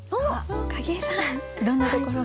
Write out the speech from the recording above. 景井さんどんなところが？